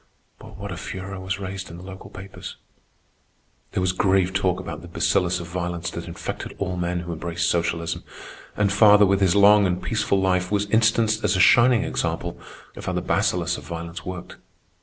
But what a furor was raised in the local papers! There was grave talk about the bacillus of violence that infected all men who embraced socialism; and father, with his long and peaceful life, was instanced as a shining example of how the bacillus of violence worked.